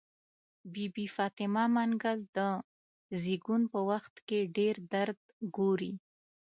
بي بي فاطمه منګل د زيږون په وخت کې ډير درد ګوري.